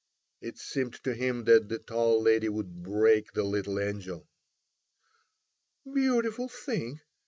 It seemed to him that the tall lady would break the little angel. "Beautiful thing!"